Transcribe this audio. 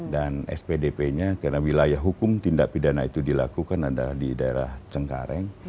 dan spdp nya karena wilayah hukum tindak pidana itu dilakukan adalah di daerah cengkareng